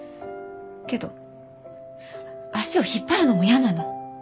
けど足を引っ張るのも嫌なの。